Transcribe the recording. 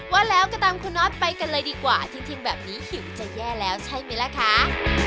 ว่าแล้วก็ตามคุณน็อตไปกันเลยดีกว่าจริงแบบนี้หิวจะแย่แล้วใช่ไหมล่ะคะ